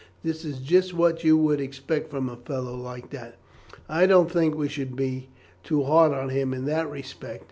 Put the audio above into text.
"That is just what you would expect from a fellow like that." "I don't think we should be too hard on him in that respect.